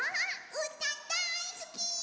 うーたんだいすき！